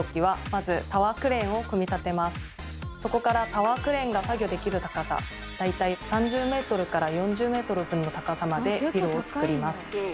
そこからタワークレーンが作業できる高さ大体３０ｍから４０ｍ分の高さまでビルをつくります。